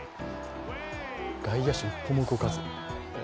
外野手一歩も動かず。